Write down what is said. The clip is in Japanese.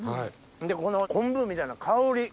この昆布みたいな香り。